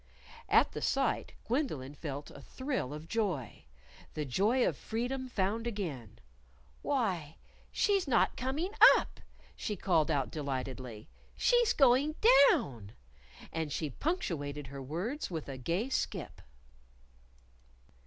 At the sight, Gwendolyn felt a thrill of joy the joy of freedom found again. "Why, she's not coming up," she called out delightedly. "She's going down!" And she punctuated her words with a gay skip.